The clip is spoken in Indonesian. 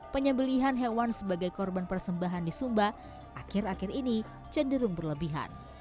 penyembelihan hewan sebagai korban persembahan di sumba akhir akhir ini cenderung berlebihan